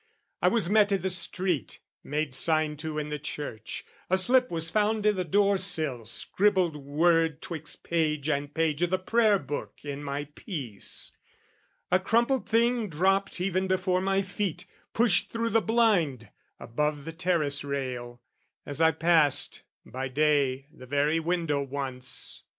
I was met i' the street, made sign to in the church, A slip was found i' the door sill, scribbled word 'Twixt page and page o' the prayer book in my piece: A crumpled thing dropped even before my feet, Pushed through the blind, above the terrace rail, As I passed, by day, the very window once.